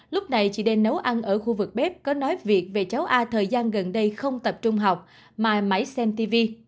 lúc này chị đến nấu ăn ở khu vực bếp có nói việc về cháu a thời gian gần đây không tập trung học mà máy xem tv